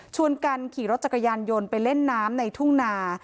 กันขี่รถจักรยานยนต์ไปเล่นน้ำในทุ่งนา